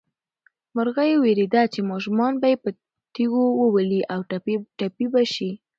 مرغۍ وېرېده چې ماشومان به یې په تیږو وولي او ټپي به شي.